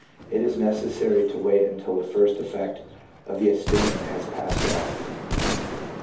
It is necessary to wait until the first effect of the stimulant has passed off."